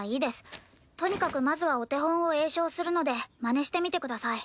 とにかくまずはお手本を詠唱するのでまねしてみてください。